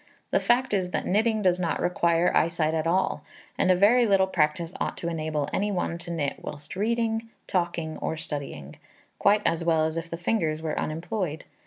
The fact is that knitting does not require eyesight at all; and a very little practice ought to enable any one to knit whilst reading, talking, or studying, quite as well as if the fingers were unemployed.